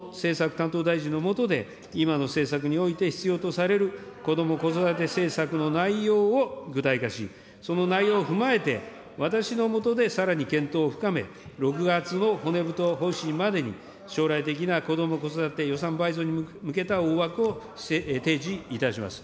いずれにせよ、まずはこども政策担当大臣のもとで、今の政策において必要とされるこども・子育て政策の内容を具体化し、その内容を踏まえて、私の下でさらに検討を深め、６月の骨太方針までに、将来的なこども・子育て予算倍増に向けた大枠を提示いたします。